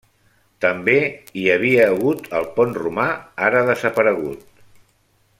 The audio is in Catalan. També hi havia hagut el Pont Romà, ara desaparegut.